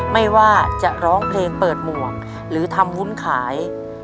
ไม่ว่าจะร้องเพลงเปิดหมวกหรือทำวุ้นขาย